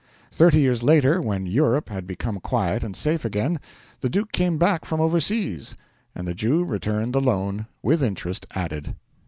Thirty years later, when Europe had become quiet and safe again, the Duke came back from overseas, and the Jew returned the loan, with interest added.